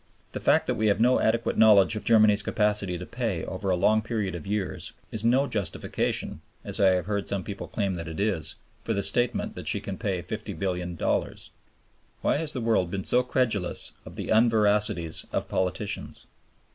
The fact that we have no adequate knowledge of Germany's capacity to pay over a long period of years is no justification (as I have heard some people claim that, it is) for the statement that she can pay $50,000,000,000. Why has the world been so credulous of the unveracities of politicians?